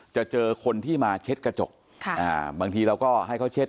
เจอคนที่มาเช็ดกระจกบางทีเราก็ให้เขาเช็ด